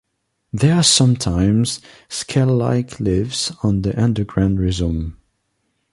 There are sometimes scalelike leaves on the underground rhizome.